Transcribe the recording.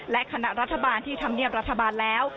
และคณะรัฐบาลที่ทำเนียบรัฐบาลแล้ว